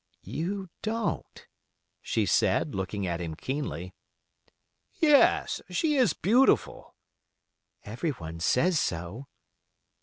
"You don't," she said, looking at him keenly. "Yes, she is beautiful." "Everyone says so."